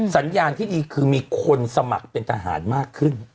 สัญญาณที่ดีคือมีคนสมัครเป็นทหารมากขึ้น